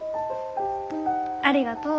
ありがとう。